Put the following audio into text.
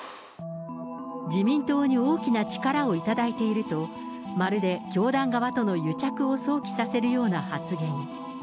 自民党に大きな力をいただいていると、まるで教団側との癒着を想起させるような発言。